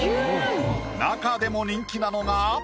なかでも人気なのが。